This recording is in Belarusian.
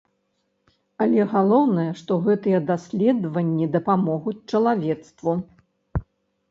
Але галоўнае, што гэтыя даследаванні дапамогуць чалавецтву.